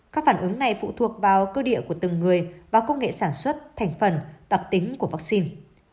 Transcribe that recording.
các phản ứng này phụ thuộc vào cơ địa của từng người và công nghệ sản xuất thành phần tặc tính của vắc xin